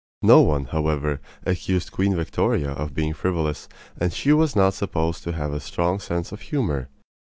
No one, however, accused Queen Victoria of being frivolous, and she was not supposed to have a strong sense of humor.